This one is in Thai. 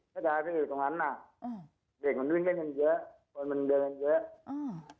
ถ้าได้พี่เห็นตรงนั้นน่ะเด็กมันลื่นกันกันเยอะคนมันเดินกันเยอะ